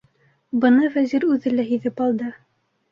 Быны Вәзир үҙе лә һиҙеп алды.